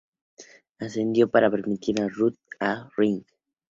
Ascendió a left-fielder para permitir a Ruth jugar en right-field.